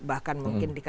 bahkan mungkin dikawal